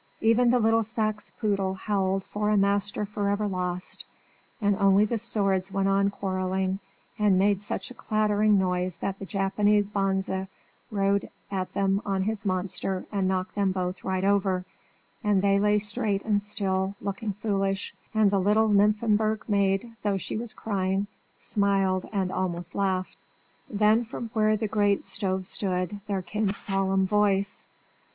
Even the little Saxe poodle howled for a master forever lost; and only the swords went on quarrelling, and made such a clattering noise that the Japanese bonze rode at them on his monster and knocked them both right over, and they lay straight and still, looking foolish, and the little Nymphenburg maid, though she was crying, smiled and almost laughed. Then from where the great stove stood there came a solemn voice.